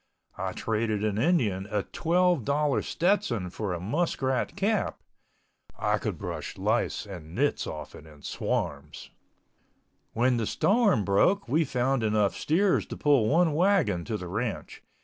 I traded an Indian a $12.00 Stetson for a muskrat cap—I could brush lice and nits off it in swarms. When the storm broke we found enough steers to pull one wagon to the ranch.